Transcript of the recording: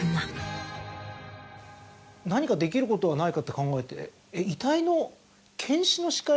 何かできることはないかって考えて。